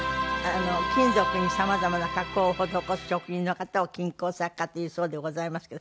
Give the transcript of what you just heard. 金属に様々な加工を施す職人の方を金工作家というそうでございますけど。